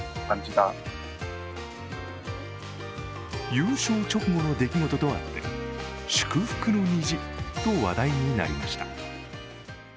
優勝直後の出来事とあって祝福の虹と話題になりました。